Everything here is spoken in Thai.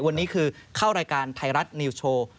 วันนี้คือเข้ารายการไทยรัฐนิวส์โชว์